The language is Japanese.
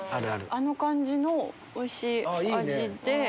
あの感じのおいしい味で。